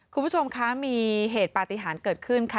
คุณผู้ชมคะมีเหตุปฏิหารเกิดขึ้นค่ะ